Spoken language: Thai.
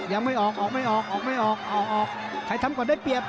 ยังไม่ออกทำก่อนได้เบียบ